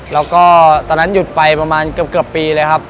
แล้วก็ตอนนั้นหยุดไปประมาณเกือบปีเลยครับ